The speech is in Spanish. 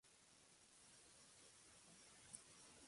Hay doce álbumes, de los cuales solo dos han aparecido en castellano.